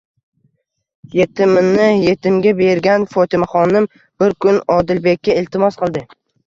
Yetimini yetimga bergan Fotimaxonim bir kun Odilbekka iltimos qildi